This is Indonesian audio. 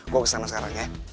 gue kesana sekarang ya